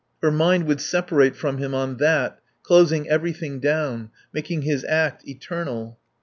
Her mind would separate from him on that, closing everything down, making his act eternal.